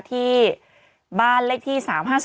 ที่บ้านเลขที่๓๕๐